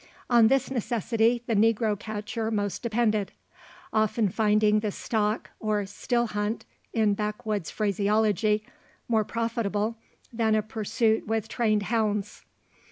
On this necessity the negro catcher most depended; often finding the stalk or "still hunt," in backwoods phraseology more profitable than a pursuit with trained hounds.